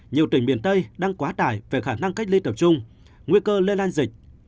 nhiều tỉnh miền tây đang quá tải về khả năng cách ly tập trung nguy cơ lây lan dịch